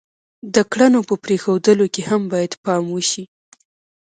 د کړنو په پرېښودلو کې هم باید پام وشي.